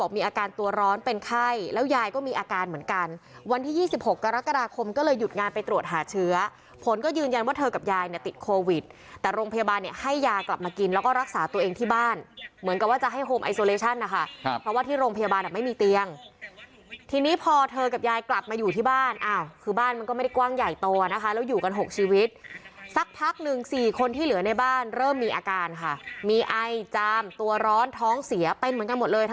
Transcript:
มีอาการตัวร้อนเป็นไข้แล้วยายก็มีอาการเหมือนกันวันที่ยี่สิบหกกรกฎาคมก็เลยหยุดงานไปตรวจหาเชื้อผลก็ยืนยันว่าเธอกับยายเนี้ยติดโควิดแต่โรงพยาบาลเนี้ยให้ยากลับมากินแล้วก็รักษาตัวเองที่บ้านเหมือนกับว่าจะให้โฮมไอโซเลชั่นนะคะครับเพราะว่าที่โรงพยาบาลอ่ะไม่มีเตียงทีนี้พอเธ